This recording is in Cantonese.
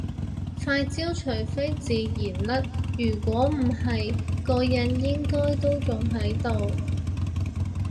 塊焦除非自然甩如果唔係個印應該都仲喺度